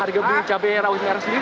harga buah cabai rawit di arah sini